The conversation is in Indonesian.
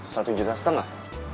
satu juta setengah